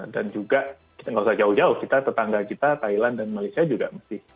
dan juga kita nggak usah jauh jauh tetangga kita thailand dan malaysia juga masih monarki